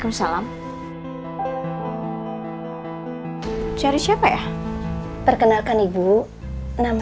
artinya dalam suaranya kalau dia bahan buka pantai hyun ulum punya naya